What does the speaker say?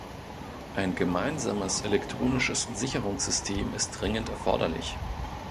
Ein gemeinsames elektronisches Sicherungssystem ist dringend erforderlich.